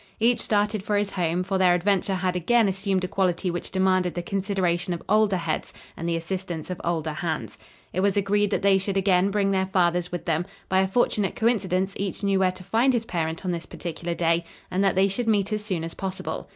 Each started for his home; for their adventure had again assumed a quality which demanded the consideration of older heads and the assistance of older hands. It was agreed that they should again bring their fathers with them by a fortunate coincidence each knew where to find his parent on this particular day and that they should meet as soon as possible.